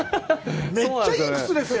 めっちゃいい靴ですよ。